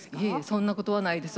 そんなことはないです。